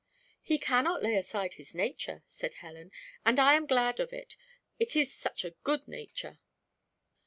"He cannot lay aside his nature," said Helen, "and I am glad of it, it is such a good nature."